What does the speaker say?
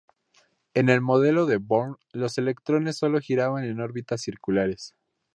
En el modelo de Bohr los electrones solo giraban en órbitas circulares.